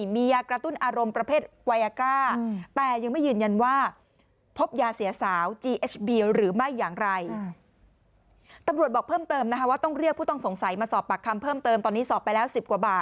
มียากระตุ้นอารมณ์ประเภทไว้อากาศ